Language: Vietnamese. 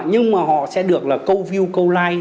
nhưng mà họ sẽ được là câu view câu like